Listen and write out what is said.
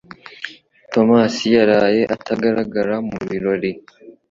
Tomasi yaraye atagaragara mu birori